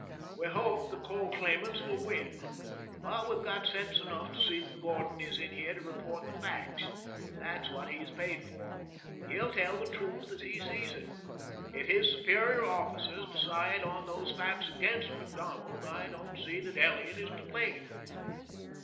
"We hope the coal claimants will win, but we've got sense enough to see that Gordon is in here to report the facts. That's what he is paid for. He'll tell the truth as he sees it. If his superior officers decide on those facts against Macdonald, I don't see that Elliot is to blame."